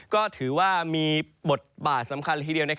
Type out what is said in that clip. ก็ถือว่ามีบทบาทสำคัญละทีเดียว